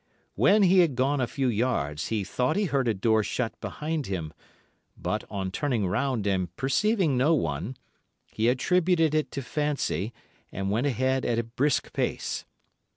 "When he had gone a few yards, he thought he heard a door shut behind him, but, on turning round and perceiving no one, he attributed it to fancy and went ahead at a brisk pace.